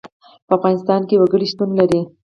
په افغانستان کې وګړي شتون لري.